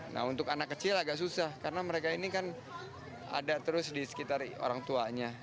nah untuk anak kecil agak susah karena mereka ini kan ada terus di sekitar orang tuanya